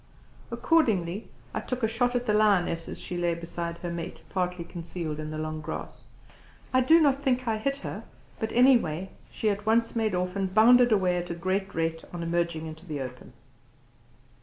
Accordingly I took a shot at the lioness as she lay beside her mate, partly concealed in the long grass. I do not think I hit her, but anyhow she at once made off and bounded away at a great rate on emerging into the open.